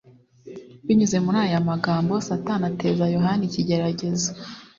Binyuze muri aya magambo, Satani ateza Yohana ikigeragezo